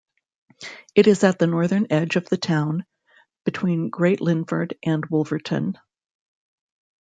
It is at the northern edge of the town, between Great Linford and Wolverton.